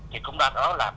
để cho ngày mai mấy em đi bán